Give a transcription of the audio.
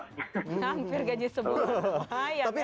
hampir gaji sebulan